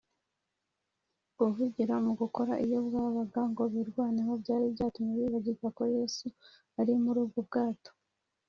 guhugira mu gukora iyo bwabaga ngo birwaneho byari byatumye bibagirwa ko yesu ari muri ubwo bwato